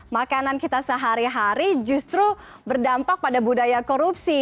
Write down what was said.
makanan kita sehari hari justru berdampak pada budaya korupsi